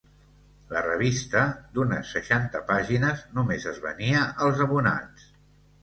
La revista, d'unes seixanta pàgines, només es venia als abonats.